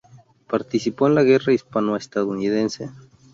Participó en la Guerra Hispano-Estadounidense.